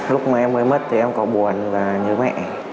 lúc mà em mới mất thì em có buồn và nhớ mẹ